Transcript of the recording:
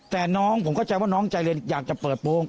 แต่น้องผมเข้าใจว่าน้องใจเรียนอยากจะเปิดโปรง